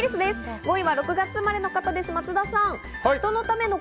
５位は６月生まれの方、松田さん。